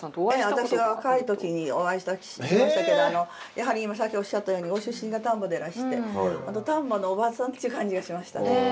私若い時にお会いしましたけどやはりさっきおっしゃったようにご出身が丹波でいらして丹波のおばさんっていう感じがしました。